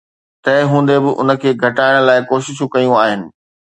تنهن هوندي به، ان کي گهٽائڻ لاء ڪوششون ڪيون آهن